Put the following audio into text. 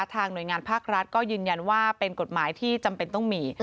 หน่วยงานภาครัฐก็ยืนยันว่าเป็นกฎหมายที่จำเป็นต้องมี